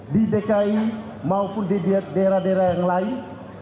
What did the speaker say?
di dki maupun di daerah daerah yang lain